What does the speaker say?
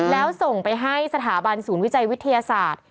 แล้วส่งไปให้สถาบันศูนย์วิจัยวิทยาศาสตร์